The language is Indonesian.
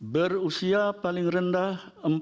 berusia paling rendah